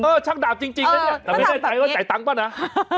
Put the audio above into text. ชักดาบจริงนะเนี่ยแต่ไม่แน่ใจว่าจ่ายตังค์ป่ะนะ